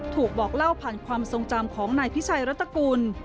บอกเล่าผ่านความทรงจำของนายพิชัยรัฐกุล